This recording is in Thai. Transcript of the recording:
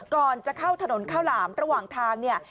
ก่อนจะเข้าถนนข้าวหลามระหว่างทางเนี่ย